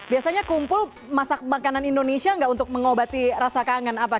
biasanya kumpul masak makanan indonesia nggak untuk mengobati rasa kangen apa